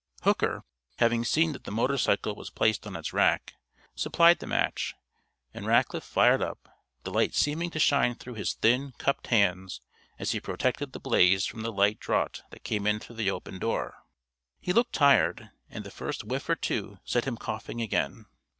Hooker, having seen that the motorcycle was placed on its rack, supplied the match, and Rackliff fired up, the light seeming to shine through his thin, cupped hands as he protected the blaze from the light draught that came in through the open door. He looked tired, and the first whiff or two set him coughing again.